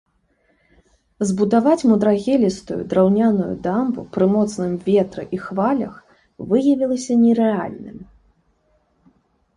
Збудаваць мудрагелістую драўняную дамбу пры моцным ветры і хвалях выявілася нерэальным.